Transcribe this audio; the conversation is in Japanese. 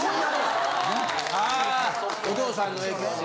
・ああお父さんの影響で？